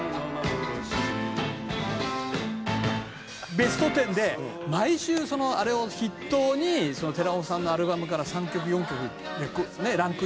『ベストテン』で毎週あれを筆頭に寺尾さんのアルバムから３曲４曲ねランクインしたじゃない。